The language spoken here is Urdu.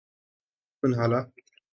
سنہالا